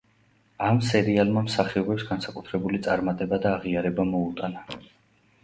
ამ სერიალმა მსახიობს განსაკუთრებული წარმატება და აღიარება მოუტანა.